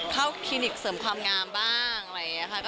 คลินิกเสริมความงามบ้างอะไรอย่างนี้ค่ะ